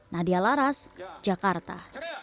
nadia laras jakarta